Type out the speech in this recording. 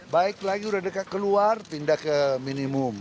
baik lagi udah dekat keluar pindah ke minimum